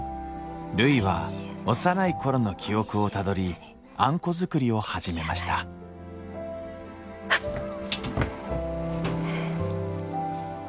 るいは幼い頃の記憶をたどりあんこ作りを始めましたはっ！